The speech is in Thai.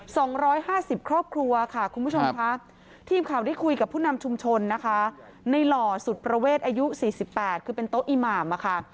สองร้อยห้าสิบครอบครัวค่ะคุณผู้ชมค่ะทีมข่าวได้คุยกับผู้นำชุมชนนะคะในหล่อสุดประเวทอายุสี่สิบแปดคือเป็นโต๊ะอีหมามอะค่ะ